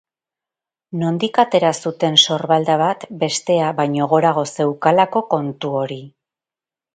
Nondik atera zuten sorbalda bat bestea baino gorago zeukalako kontu hori?